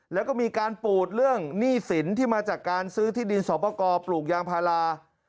แล้วก็มีการปูดเรื่องหนี้สินที่มาจากการซื้อที่ดินสอบประกอบปลูกยางพารา